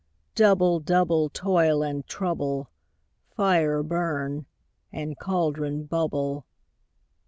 ALL. Double, double, toil and trouble; Fire, burn; and cauldron, bubble.